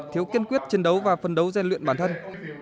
thiếu kiên quyết chiến đấu và phân đấu gian luyện bản thân